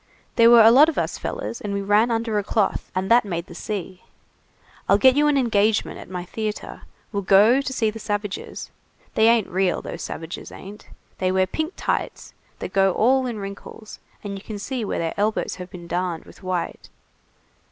There were a lot of us fellers, and we ran under a cloth, and that made the sea. I'll get you an engagement at my theatre. We'll go to see the savages. They ain't real, those savages ain't. They wear pink tights that go all in wrinkles, and you can see where their elbows have been darned with white.